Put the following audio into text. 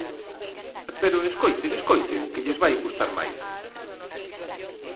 Pero escoiten, escoiten, que lles vai gustar máis.